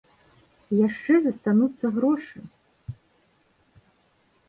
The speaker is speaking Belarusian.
І яшчэ застануцца грошы!